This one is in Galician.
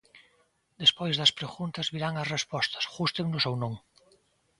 Despois das preguntas virán as respostas, gústennos ou non.